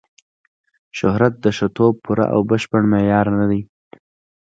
شهرت د ښه توب پوره او بشپړ معیار نه دی.